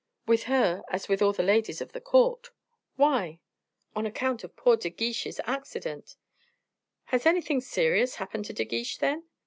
"With her as with all the ladies of the court." "Why?" "On account of poor De Guiche's accident." "Has anything serious happened to De Guiche, then?"